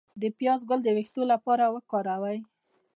د پیاز ګل د ویښتو لپاره وکاروئ